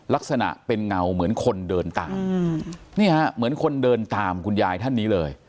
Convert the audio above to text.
ลักษณะเป็นเงาเหมือนคนเดินตามเนี่ยเหมือนคนเดินตามคุณยายท่านนี้เลย